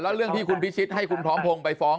เรื่องที่คุณพิชิตให้คุณพร้อมพงศ์ไปฟ้อง